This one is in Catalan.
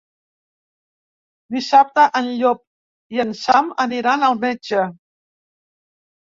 Dissabte en Llop i en Sam aniran al metge.